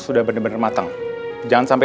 sudah benar benar matang jangan sampai